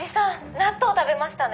納豆食べましたね？」